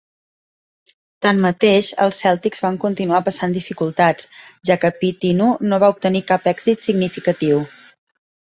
Tanmateix, els Celtics van continuar passant dificultats, ja que Pitino no va obtenir cap èxit significatiu.